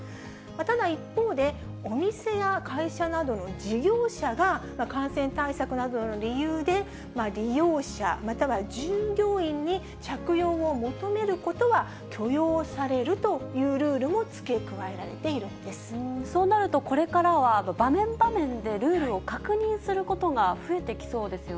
ただ一方で、お店や会社などの事業者が感染対策などの理由で、利用者または従業員に着用を求めることは許容されるというルールそうなると、これからは場面場面でルールを確認することが増えてきそうですよ